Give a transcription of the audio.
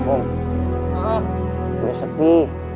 om udah sepi